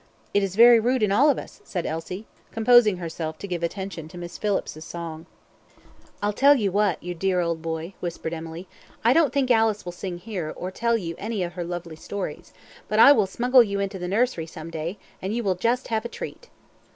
"It is very rude in all of us," said Elsie, composing herself to give attention to Miss Phillips's song. "I tell you what, you dear old boy," whispered Emily. "I don't think Alice will sing here, or tell you any of her lovely stories; but I will smuggle you into the nursery some day, and you will just have a treat."